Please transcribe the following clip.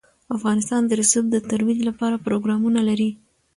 افغانستان د رسوب د ترویج لپاره پروګرامونه لري.